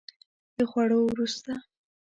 د خوړو وروسته